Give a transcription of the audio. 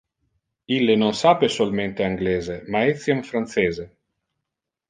Ille non sape solmente anglese, ma etiam francese.